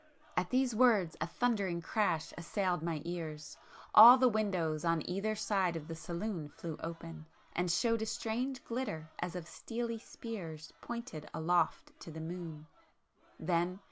[p 468]At these words a thundering crash assailed my ears,—all the windows on either side of the saloon flew open, and showed a strange glitter as of steely spears pointed aloft to the moon,— ... then